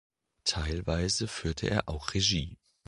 Teilweise führte er auch Regie.